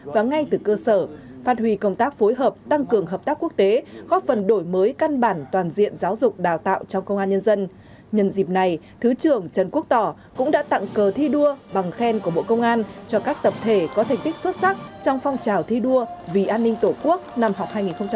với căn bản toàn diện giáo dục đào tạo trong công an nhân dân nhân dịp này thứ trưởng trần quốc tỏ cũng đã tặng cờ thi đua bằng khen của bộ công an cho các tập thể có thành tích xuất sắc trong phong trào thi đua vì an ninh tổ quốc năm học hai nghìn hai mươi hai hai nghìn hai mươi ba